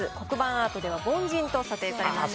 アートでは凡人と査定されました。